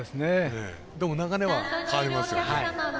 でも、流れは変わりますよね。